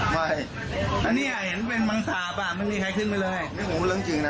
ไม่อันนี้เห็นเป็นมังสาบอ่ะไม่มีใครขึ้นไปเลยนี่ผมพูดเรื่องจริงนะ